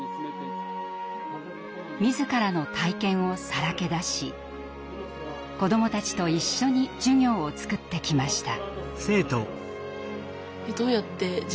自らの体験をさらけ出し子どもたちと一緒に授業を作ってきました。